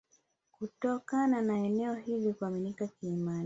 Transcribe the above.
Kutokana na eneo hilo kuaminika kiimani